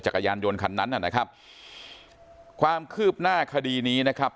จักรยานยนต์คันนั้นน่ะนะครับความคืบหน้าคดีนี้นะครับ